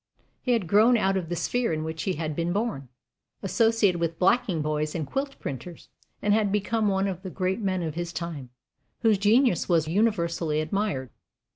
He had grown out of the sphere in which he had been born, "associated with blacking boys and quilt printers," and had become one of the great men of his time, whose genius was universally admired.